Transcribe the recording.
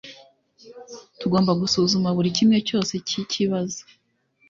Tugomba gusuzuma buri kintu cyose cyikibazo.